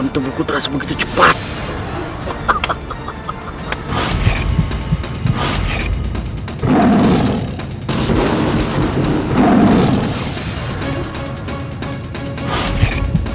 saya sudah berhasil menguasai jurus ini